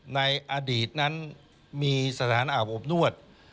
ในอดีตนั้นมีสถานอาบอบนวด